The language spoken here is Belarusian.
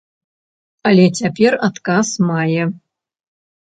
Але цяпер адказ мае.